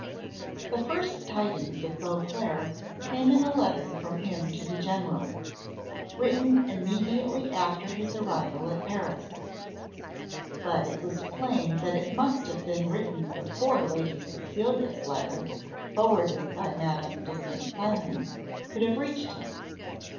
THE first tidings of Beauclerc came in a letter from him to the general, written immediately after his arrival at Paris. But it was plain that it must have been written before Lady Cecilia's letter, forwarded by Madame de St. Cymon, could have reached him.